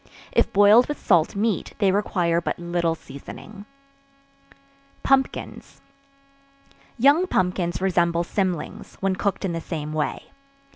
If boiled with salt meat, they require but little seasoning. Pumpkins. Young pumpkins resemble cymlings, when cooked in the same way.